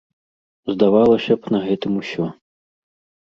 Здавалася б, на гэтым усё.